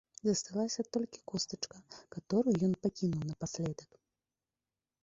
Засталася толькі костачка, каторую ён пакінуў напаследак.